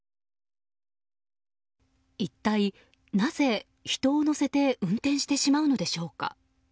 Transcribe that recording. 一体なぜ、人を乗せて運転してしまうのでしょうか。